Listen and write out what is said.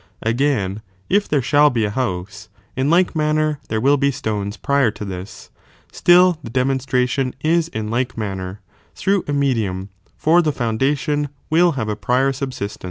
Again, if there sliall be s house, in like manner there will be stones prior to this, still the demonstration is in like manner through a medium, for the foundation will have a prior subsistenee.